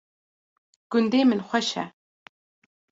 gundê min xweş e